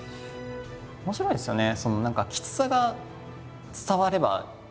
面白いですよね。